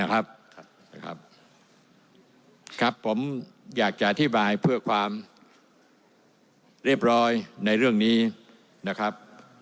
ครับครับผมอยากจะอธิบายเพื่อความเรียบร้อยในเรื่องนี้นะครับ